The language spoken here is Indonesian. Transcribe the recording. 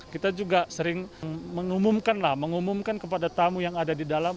kita juga sering mengumumkan lah mengumumkan kepada tamu yang ada di dalam